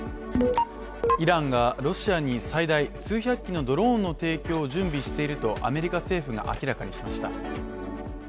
イランがロシアに最大数百機のドローンの提供を準備していると、アメリカ政府が明らかにしました。